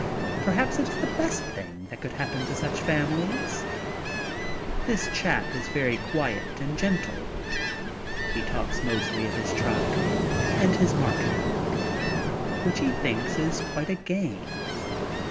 Perhaps it is the best thing that could happen to such families. This chap is very quiet and gentle. He talks mostly of his truck and his marketing, which he thinks is quite a game.